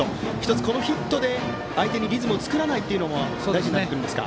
１つ、このヒットで相手にリズムを作らせないというのも大事になってきますか。